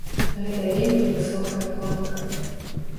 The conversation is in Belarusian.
Гэта вельмі высокая планка.